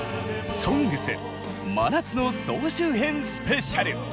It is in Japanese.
「ＳＯＮＧＳ真夏の総集編スペシャル」！